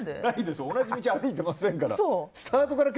同じ道歩いていませんから。